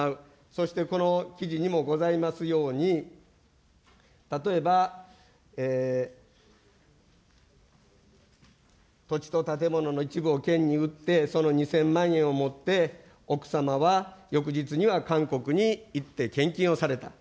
そしてこの記事にもございますように、例えば、土地と建物の一部を県に売って、その２０００万円を持って奥様は翌日には韓国に行って献金をされた。